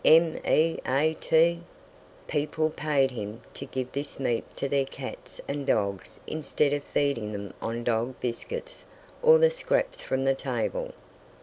M E A T!" People paid him to give this meat to their cats and dogs instead of feeding them on dog biscuits or the scraps from the table.